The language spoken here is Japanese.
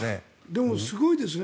でも、すごいですね。